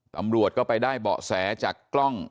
ตำรวจก็ไปได้เบาะแสจากกล้อง